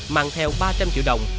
mạng theo ba trăm linh triệu đồng